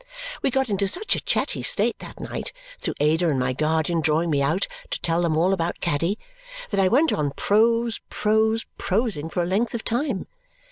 We got into such a chatty state that night, through Ada and my guardian drawing me out to tell them all about Caddy, that I went on prose, prose, prosing for a length of time.